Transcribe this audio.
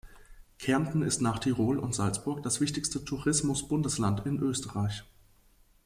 Kärnten ist nach Tirol und Salzburg das wichtigste Tourismus-Bundesland in Österreich.